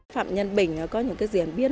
phạm nhân bình có những diễn biến